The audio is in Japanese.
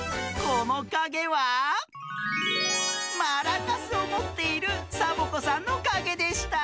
このかげはマラカスをもっているサボ子さんのかげでした！